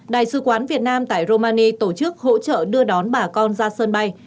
đại sứ quán việt nam tại romani tổ chức hỗ trợ đưa đón bà con ra sân bay